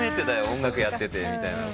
音楽やっててみたいな。